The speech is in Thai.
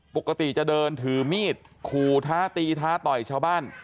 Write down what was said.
ปกติจะเดินถือมีดขู่ท้าตีท้าต่อยชาวบ้าน